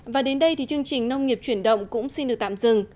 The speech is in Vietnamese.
và đến đây thì chương trình nông nghiệp chuyển động cũng xin được tạm dừng